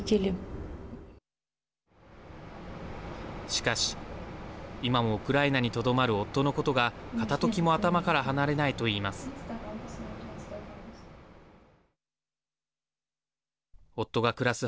しかし、今もウクライナにとどまる夫のことが片ときも頭から離れないといいます。